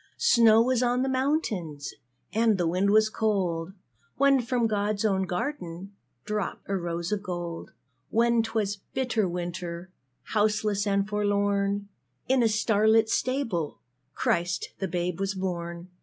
Snow was on the mountains, And the wind was cold, When from God's own garden Dropped a rose of gold. When 'twas bitter winter, Houseless and forlorn In a star lit stable Christ the Babe was born.